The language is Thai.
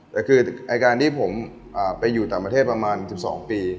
แต่คือไอ้การที่ผมไปอยู่ต่างประเทศประมาณ๑๒ปี